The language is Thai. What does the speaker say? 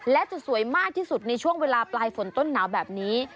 และจะสวยมากที่สุดในช่วงเวลาปลายฝนต้นหนาวแบบนี้